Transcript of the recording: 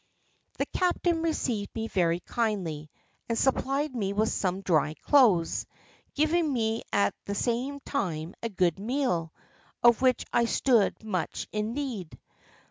"The captain received me very kindly, and supplied me with some dry clothes, giving me at the same time a good meal, of which I stood much in need.